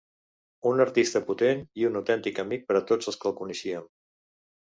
Un artista potent i un autèntic amic per tots els que el coneixíem.